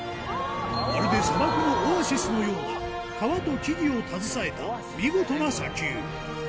まるで砂漠のオアシスのように川と木々を携えた見事な砂丘。